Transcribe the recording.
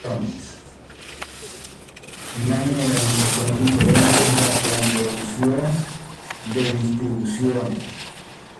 Una generalización diferente es la convolución de distribuciones.